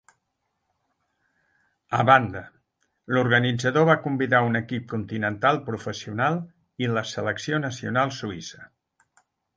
A banda, l'organitzador va convidar un equip continental professional i la selecció nacional suïssa.